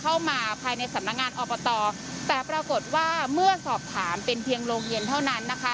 เข้ามาภายในสำนักงานอบตแต่ปรากฏว่าเมื่อสอบถามเป็นเพียงโรงเย็นเท่านั้นนะคะ